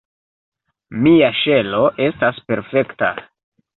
Mia ŝelo estas perfekta.